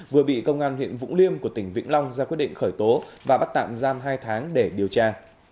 vừa bị công an huyện vũng liêm của tỉnh vĩnh long ra quyết định khởi tố và bắt tạm giam hai tháng để điều tra